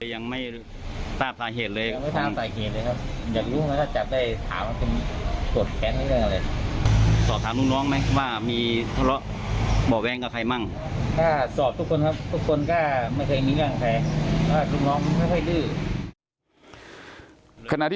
ยังไม่ตราบสาเหตุเลยยังไม่ตราบสาเหตุเลยครับ